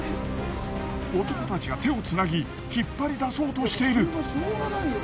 男たちが手をつなぎ引っ張り出そうとしている。